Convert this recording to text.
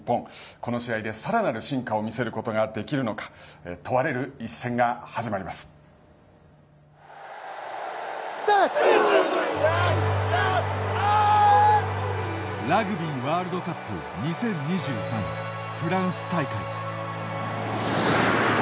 この試合でさらなる進化を見せることができるのかラグビーワールドカップ２０２３、フランス大会。